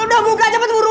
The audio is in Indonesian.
udah buka cepet huruan